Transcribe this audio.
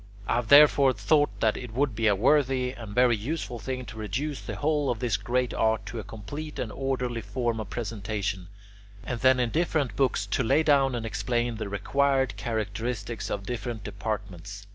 I have therefore thought that it would be a worthy and very useful thing to reduce the whole of this great art to a complete and orderly form of presentation, and then in different books to lay down and explain the required characteristics of different departments.